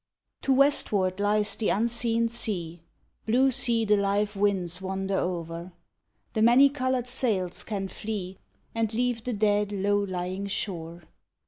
To westward lies the unseen sea, Blue sea the live winds wander o'er. The many colored sails can flee, And leave the dead, low lying shore.